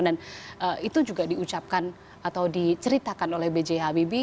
dan itu juga diucapkan atau diceritakan oleh b j habibie